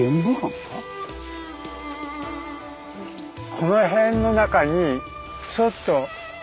この辺の中にちょっと。